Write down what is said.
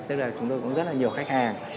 tức là chúng tôi cũng rất là nhiều khách hàng